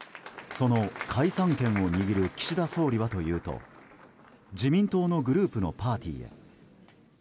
その解散権を握る岸田総理はというと自民党のグループのパーティーへ。